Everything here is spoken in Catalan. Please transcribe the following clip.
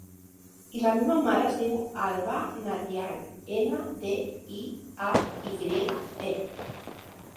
La meva mare es diu Albà Ndiaye: ena, de, i, a, i grega, e.